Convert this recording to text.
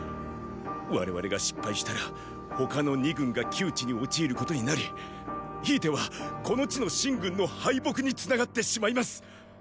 我々が失敗したら他の二軍が窮地に陥ることになりひいてはこの地の秦軍の敗北につながってしまいます。